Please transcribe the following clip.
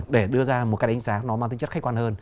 để đưa ra một cái đánh giá nó mang tính chất khách quan hơn